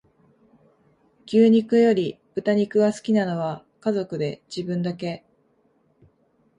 牛肉より豚肉が好きなのは家族で自分だけ